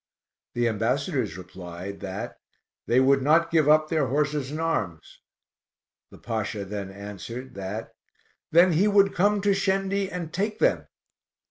The ambassadors replied, that "they would not give up their horses and arms." The Pasha then answered, that "then he would come to Shendi and take them."